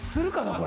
これ。